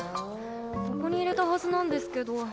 ここに入れたはずなんですけど。